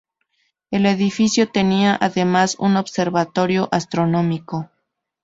El edificio tenía además un observatorio astronómico.